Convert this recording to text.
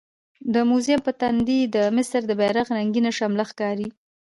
د موزیم په تندي د مصر د بیرغ رنګینه شمله ښکاري.